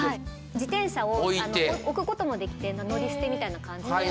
自転車を置くこともできて乗り捨てみたいな感じで。